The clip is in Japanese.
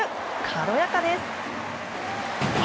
軽やかです。